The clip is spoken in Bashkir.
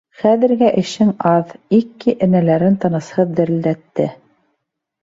— Хәҙергә эшең аҙ, — Икки энәләрен тынысһыҙ дерелдәтте.